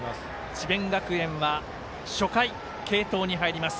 智弁学園は初回、継投に入ります。